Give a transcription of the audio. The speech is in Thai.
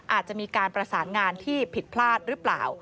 อาจจะมีการประสานงานที่ผิดพลาดหรือเปล่า